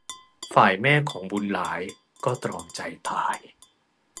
ฝ่ายแม่ของบุญหลายก็ตรอมใจตาย